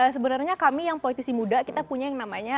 sebenarnya kami yang politisi muda kita punya yang namanya